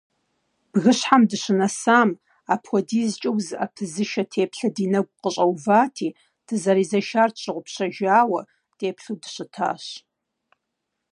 Бгыщхьэм дыщынэсам, апхуэдизкӀэ узыӀэпызышэ теплъэ ди нэгу къыщӏэувати, дызэрезэшар тщыгъупщэжауэ, деплъу дыщытащ.